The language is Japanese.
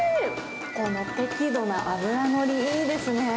この適度な脂の乗り、いいですね。